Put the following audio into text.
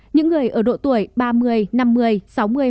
những người ở độ tuổi ba mươi năm mươi